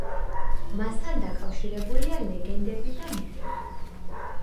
მასთან დაკავშირებულია ლეგენდები და მითები.